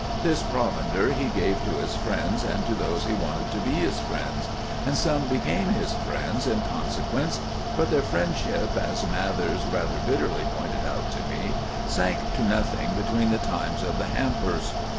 This provender he gave to his friends and to those he wanted to be his friends; and some became his friends in consequence; but their friendship, as Mathers rather bitterly pointed out to me, sank to nothing between the times of the hampers.